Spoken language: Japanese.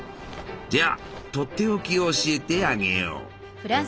じゃあとっておきを教えてあげよう。